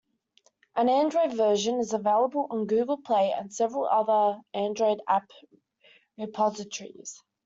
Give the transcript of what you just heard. An Android version is available on Google Play and several other Android app repositories.